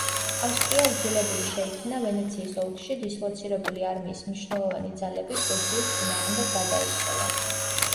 ავსტრია იძულებული შეიქმნა ვენეციის ოლქში დისლოცირებული არმიის მნიშვნელოვანი ძალები პრუსიის წინააღმდეგ გადაესროლა.